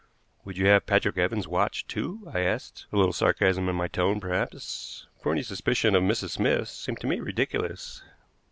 "Would you have Patrick Evans watched, too?" I asked, a little sarcasm in my tone, perhaps, for any suspicion of Mrs. Smith seemed to me ridiculous.